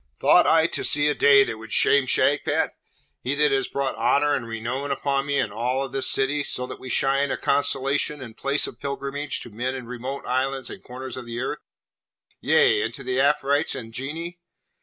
thought I to see a day that would shame Shagpat? he that has brought honour and renown upon me and all of this city, so that we shine a constellation and place of pilgrimage to men in remote islands and corners of the earth? Yea! and to Afrites and Genii?